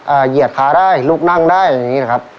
เหยียดขาได้ลูกนั่งได้อย่างงี้นะครับ